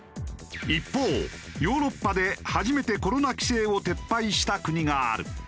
一方ヨーロッパで初めてコロナ規制を撤廃した国がある。